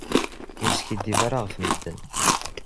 Ur skiddib ara ɣef medden.